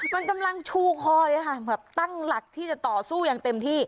มันกำลังชูคอเลยค่ะแบบตั้งหลักที่จะต่อสู้อย่างเต็มที่